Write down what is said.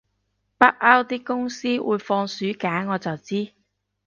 北歐啲公司會放暑假我就知